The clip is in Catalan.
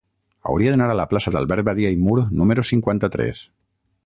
Hauria d'anar a la plaça d'Albert Badia i Mur número cinquanta-tres.